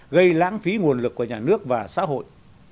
gây lãng phí nguồn lực của nhà nước và xã hội